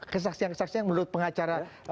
kesaksian kesaksian menurut pengacara